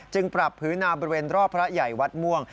ปรับพื้นนาบริเวณรอบพระใหญ่วัดม่วง